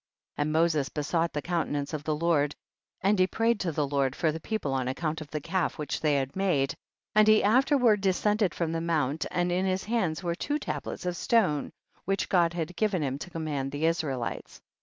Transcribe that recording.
17. And Moses besought the countenance of the Lord, and he prayed to the Lord for the people on account of the calf which they had made, and he afterward descended from the mount and in his hands were the two tablets of stone, which God had given him to command the Israelites.